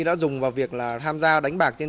cũng cho những người em mượn